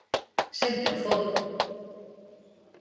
Sempre o foi.